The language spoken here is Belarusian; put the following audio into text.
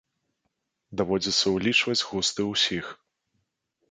Даводзіцца ўлічваць густы ўсіх.